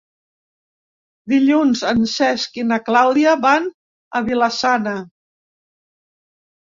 Dilluns en Cesc i na Clàudia van a Vila-sana.